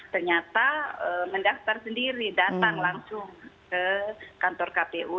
ternyata mendaftar sendiri datang langsung ke kantor kpu